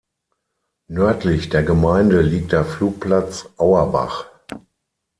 Nördlich der Gemeinde liegt der Flugplatz Auerbach.